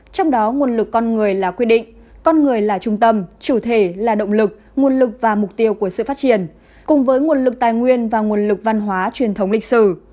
trong đó nguồn lực con người là quy định con người là trung tâm chủ thể là động lực nguồn lực và mục tiêu của sự phát triển cùng với nguồn lực tài nguyên và nguồn lực văn hóa truyền thống lịch sử